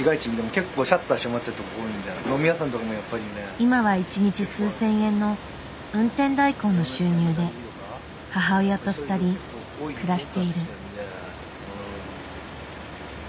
今は一日数千円の運転代行の収入で母親と２人暮らしている。